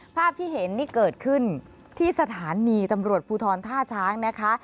ภาพที่เห็นนี่เกิดขึ้นที่สถานีตำรวจภูทรท่าช้างนะคะ